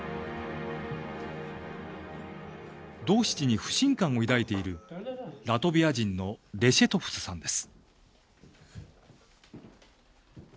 ドーシチに不信感を抱いているラトビア人のレシェトフスさんです。